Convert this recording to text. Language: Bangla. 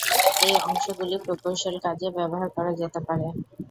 এই অংশগুলি প্রকৌশল কাজে ব্যবহার করা যেতে পারে।